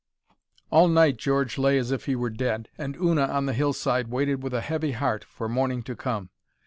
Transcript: All night George lay as if he were dead, and Una, on the hillside, waited with a heavy heart for morning to come.